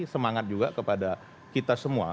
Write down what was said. semangat juga kepada kita semua